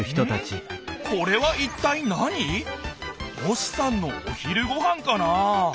星さんのお昼ごはんかな？